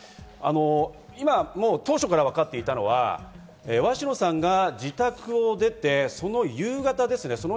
当初からわかっていたのは鷲野さんが自宅を出て、その夕方です。